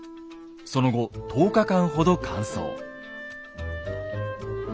その後１０日間ほど乾燥。